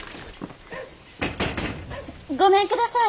ごめんください！